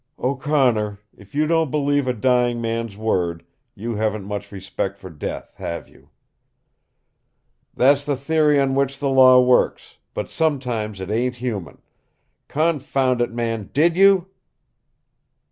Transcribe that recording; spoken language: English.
"O'Connor, if you don't believe a dying man's word you haven't much respect for death, have you?" "That's the theory on which the law works, but sometimes it ain't human. Confound it, man, DID YOU?"